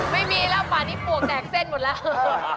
ไม่มีแล้วป่านนี้ปวกแตกเส้นหมดแล้ว